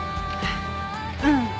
うん。